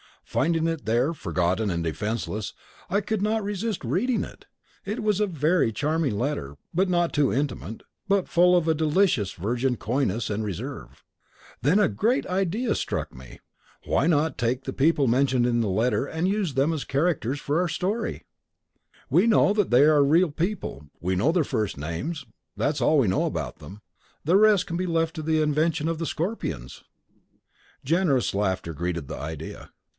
Finding it there, forgotten and defenseless, I could not resist reading it. It was a very charming letter, not too intimate, but full of a delicious virgin coyness and reserve. Then a great idea struck me. Why not take the people mentioned in the letter and use them as the characters of our story? We know that they are real people; we know their first names; that's all we know about them. The rest can be left to the invention of the Scorpions." Generous laughter greeted the idea.